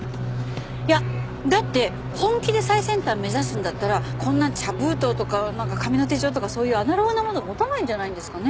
いやだって本気で最先端目指すんだったらこんな茶封筒とかなんか紙の手帳とかそういうアナログなものを持たないんじゃないんですかね？